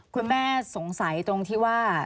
คุณแม่สงสัยตรงที่ว่า